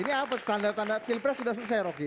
ini apa tanda tanda pilpres sudah selesai rocky ya